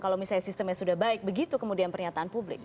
kalau misalnya sistemnya sudah baik begitu kemudian pernyataan publik